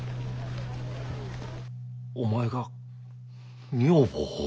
お前が女房を？